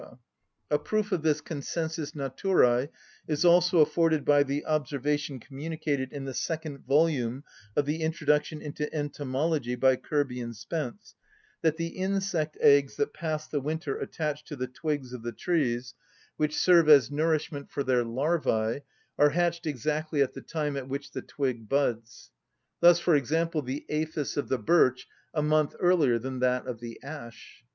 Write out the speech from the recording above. A proof of this consensus naturæ is also afforded by the observation communicated in the second volume of the "Introduction into Entomology" by Kirby and Spence, that the insect eggs that pass the winter attached to the twigs of the trees, which serve as nourishment for their larvæ, are hatched exactly at the time at which the twig buds; thus, for example, the aphis of the birch a month earlier than that of the ash.